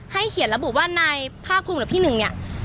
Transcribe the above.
เขียนระบุว่านายภาคภูมิหรือพี่หนึ่งเนี่ย